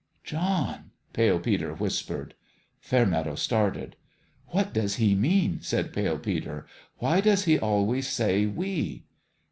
" John !" Pale Peter whispered. Fairmeadow started. "What does he mean?" said Pale Peter. " Why does he always say ' We